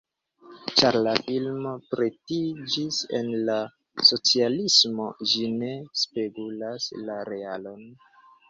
Ĉar la filmo pretiĝis en la socialismo, ĝi ne spegulas la realon.